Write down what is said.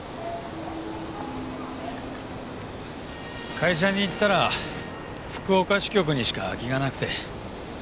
会社に言ったら福岡支局にしか空きがなくて。